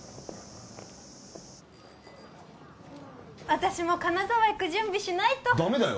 私も金沢行く準備しないとダメだよ